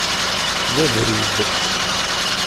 D abrid.